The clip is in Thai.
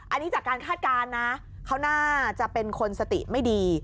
อันนี้จากการคาดการณ์นะเขาน่าจะเป็นคนสติไม่ดี